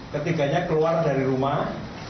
ketiganya keluar dari rumah